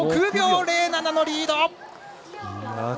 ６秒０７のリード。